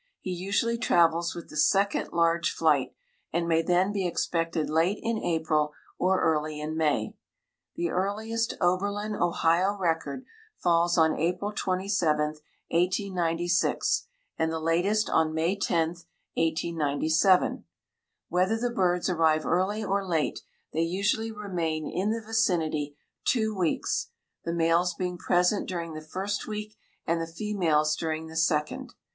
He usually travels with the second large flight, and may then be expected late in April or early in May. The earliest Oberlin, Ohio, record falls on April 27, 1896, and the latest on May 10, 1897. Whether the birds arrive early or late they usually remain in the vicinity two weeks, the males being present during the first week and the females during the second.